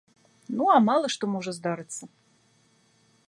Ну, а мала што можа здарыцца.